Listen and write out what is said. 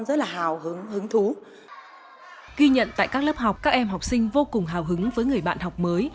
ghi nhận tại các lớp học các em học sinh vô cùng hào hứng với người bạn học mới